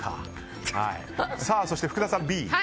そして、福田さん、Ｂ。